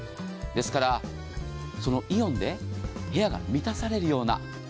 ですから、そのイオンで部屋が満たされるような。